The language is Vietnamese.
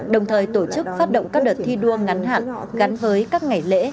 đồng thời tổ chức phát động các đợt thi đua ngắn hạn gắn với các ngày lễ